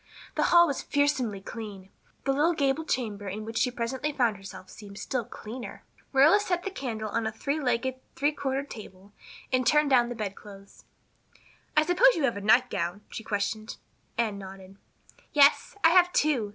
The hall was fearsomely clean; the little gable chamber in which she presently found herself seemed still cleaner. Marilla set the candle on a three legged, three cornered table and turned down the bedclothes. "I suppose you have a nightgown?" she questioned. Anne nodded. "Yes, I have two.